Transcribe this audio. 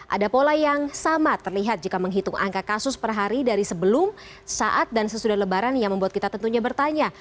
ada pola yang sama terlihat jika menghitung angka kasus per hari dari sebelum saat dan sesudah lebaran yang membuat kita tentunya bertanya